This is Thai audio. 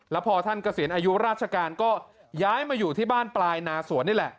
แล้วพอท่านเกษียณอายุราชการก็ย้ายมาอยู่ที่บ้านปลายนาสวนนี่แหละ